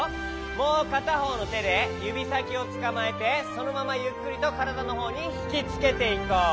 もうかたほうのてでゆびさきをつかまえてそのままゆっくりとからだのほうにひきつけていこう。